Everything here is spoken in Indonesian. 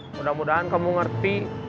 mudah mudahan kamu ngerti